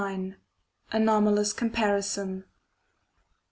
§29. Anomalous Comparison.